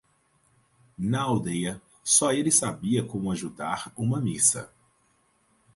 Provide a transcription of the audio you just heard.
Na aldeia, só ele sabia como ajudar uma missa.